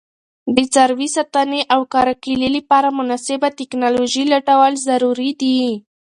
د څاروي ساتنې او کرکیلې لپاره مناسبه تکنالوژي لټول ضروري دي.